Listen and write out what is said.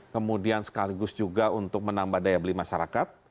kemudian sekaligus juga untuk menambah daya beli masyarakat